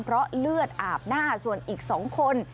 เพราะเลือดอาบหน้าส่วนอีก๒คน